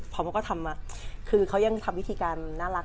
พอมันก็ทำคือเขายังทำวิธีการน่ารัก